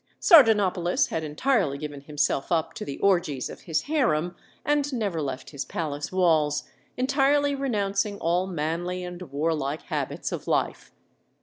Sardanapalus had entirely given himself up to the orgies of his harem, and never left his palace walls, entirely renouncing all manly and warlike habits of life.